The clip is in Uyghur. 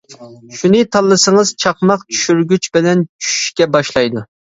شۇنى تاللىسىڭىز چاقماق چۈشۈرگۈچ بىلەن چۈشۈشكە باشلايدۇ.